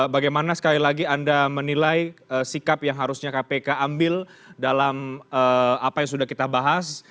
bagaimana sekali lagi anda menilai sikap yang harusnya kpk ambil dalam apa yang sudah kita bahas